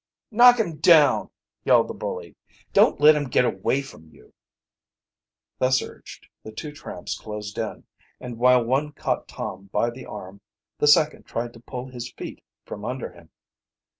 "Knock him down," yelled the bully. "Don't let him get away from you!" Thus urged, the two tramps closed in, and while one caught Tom by the arm, the second tried to pull his feet from under him.